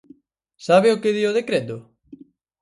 ¿Sabe o que di o decreto?